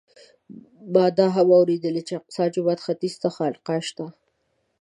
ما دا هم اورېدلي چې د الاقصی جومات ختیځ ته خانقاه شته.